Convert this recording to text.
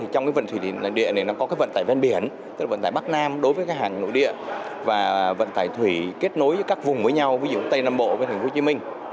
trong vận tải nội địa này có vận tải bên biển tức là vận tải bắc nam đối với hàng nội địa và vận tải thủy kết nối với các vùng với nhau ví dụ tây nam bộ với tp hcm